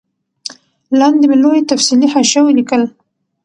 لاندي مي لوی تفصیلي حاشیه ولیکل